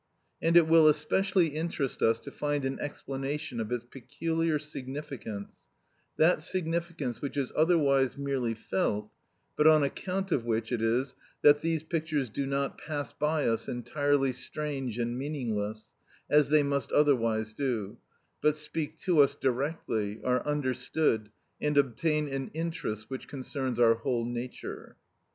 And it will specially interest us to find an explanation of its peculiar significance, that significance which is otherwise merely felt, but on account of which it is that these pictures do not pass by us entirely strange and meaningless, as they must otherwise do, but speak to us directly, are understood, and obtain an interest which concerns our whole nature.